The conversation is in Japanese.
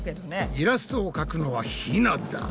イラストを描くのはひなだ。